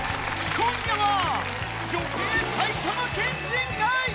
今夜は女性埼玉県人会